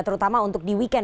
terutama untuk di weekend